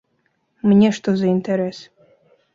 Мне што за інтарэс?